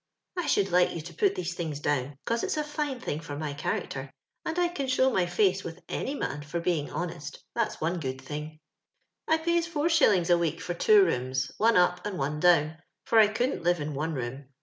I should like you to put these things down, 'cos it's a fine thing for my charackter, and I can show my face with any man for being honest, that's one good thing. " I pays 'is. a week for two rooms, one up and one down, for I couldn't live in one room.